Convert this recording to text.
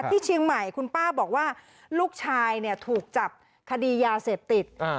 ที่เชียงใหม่คุณป้าบอกว่าลูกชายเนี่ยถูกจับคดียาเสพติด